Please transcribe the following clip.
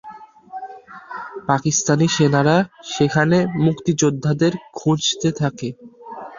পাকিস্তানি সেনারা সেখানে মুক্তিযোদ্ধাদের খুঁজতে থাকে।